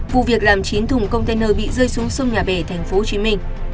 vụ việc làm chín thùng container bị rơi xuống sông nhà bè tp hcm